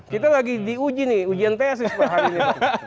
kita lagi diuji nih ujian tesis per hari ini